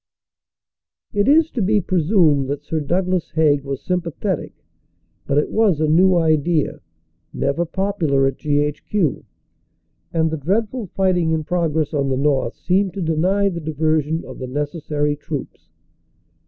It is to be presumed that Sir Douglas Haig was sym pathetic, but it was a new idea, never popular at G.H.Q., and the dreadful righting in progress on the north seemed to deny the diversion of the necessary troops.